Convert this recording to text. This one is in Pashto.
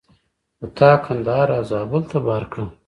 خو تا کندهار او زابل ته بار کړه.